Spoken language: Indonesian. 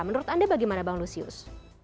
menurut anda bagaimana bang lusius